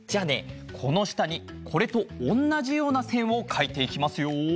このしたにこれとおんなじようなせんをかいていきますよ。